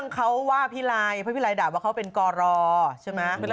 เขาว่าพี่ไลเพราะพี่ไลด่าว่าเขาเป็นกรใช่ไหม